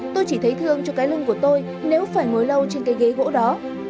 tôi chỉ thấy thương cho cái lưng của tôi nếu phải ngồi lâu trên cái ghế gỗ đó